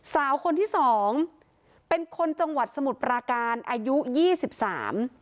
สาวคนที่สองเป็นคนจังหวัดสมุทรปราการอายุยี่สิบสาม